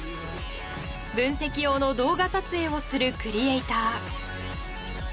分析用の動画撮影をするクリエーター。